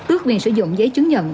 ước nguyện sử dụng giấy chứng nhận